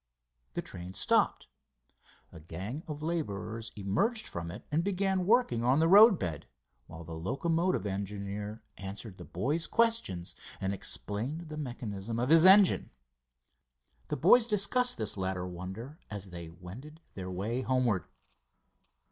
The train stopped. A gang of labourers emerged from it and began working on the road bed, while the locomotive engineer answered the boys' questions and explained the mechanism of his engine. The boys discussed this later wonder as they wended their way homeward.